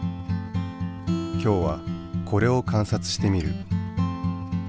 今日はこれを観察してみる。